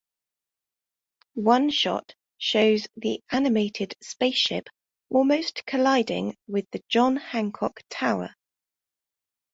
One shot shows the animated spaceship almost colliding with the John Hancock Tower.